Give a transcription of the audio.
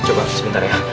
coba sebentar ya